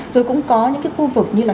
rồi cũng có những cái khu vực như là